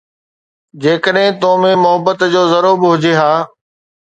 جيڪڏهن تو ۾ محبت جو ذرو به هجي ها